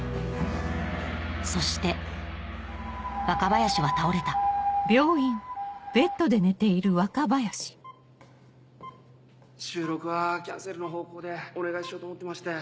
そして若林は倒れた収録はキャンセルの方向でお願いしようと思ってまして。